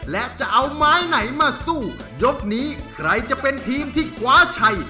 และจะเอาไม้ไหนมาสู้ยกนี้ใครจะเป็นทีมที่คว้าชัย